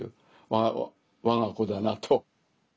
我が子だなと。